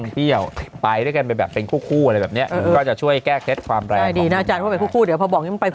เดี๋ยวเราพูดไป